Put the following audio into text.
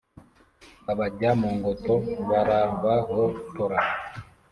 Babajya mu ngoto barabahotora